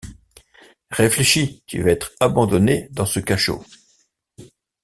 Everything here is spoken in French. Réfléchis, tu vas être abandonné dans ce cachot.